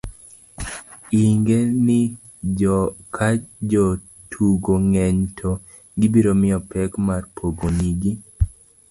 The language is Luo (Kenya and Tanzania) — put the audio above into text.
ing'e ni kajotugo ng'eny to gibiro miyi pek mar pogo nigi